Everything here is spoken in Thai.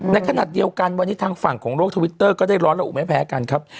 ในขณะเดียวกันวันนี้ทางฝั่งของโลกทวิตเตอร์ก็ได้ร้อนระอุไม่แพ้กันครับ